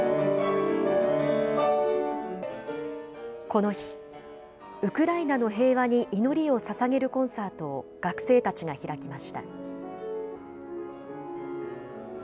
この日、ウクライナの平和に祈りをささげるコンサートを学生たちが開きました。